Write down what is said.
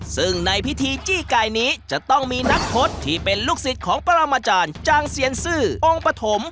ซึ่งในพิธีจี้ไก่นี้จะต้องมีนักพจน์ที่เป็นลูกศิษย์ของปรามาจารย์จางเซียนซื่อองค์ปฐม